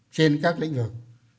trên các lĩnh vực